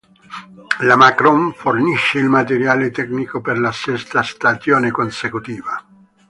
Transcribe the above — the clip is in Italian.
La Macron fornisce il materiale tecnico per la sesta stagione consecutiva.